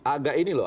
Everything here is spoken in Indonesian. agak ini loh